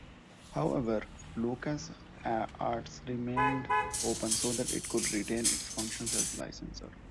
However, LucasArts remained open so that it could retain its function as a licensor.